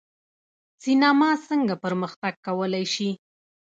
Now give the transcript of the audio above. سینما څنګه پرمختګ کولی شي؟